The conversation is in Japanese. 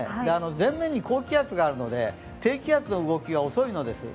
前面に高気圧があるので、低気圧の動きが遅いのです。